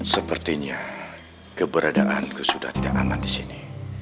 sepertinya keberadaanku sudah tidak aman di sini